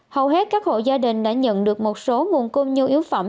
hầu hết các hộ gia đình đã nhận được một số nguồn cung nhu yếu phẩm